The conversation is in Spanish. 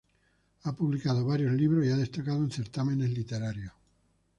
Ha publicado varios libros y ha destacado en certámenes literarios.